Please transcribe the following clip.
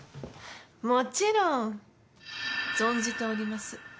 もちろん存じております。